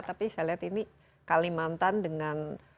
tapi saya lihat ini kalimantan dengan